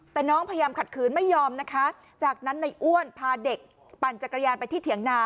แต่น้องพยายามขัดขืนไม่ยอมนะคะจากนั้นในอ้วนพาเด็กปั่นจักรยานไปที่เถียงนา